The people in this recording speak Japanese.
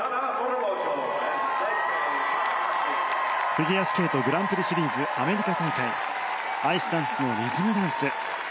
フィギュアスケートグランプリシリーズアメリカ大会アイスダンスのリズムダンス。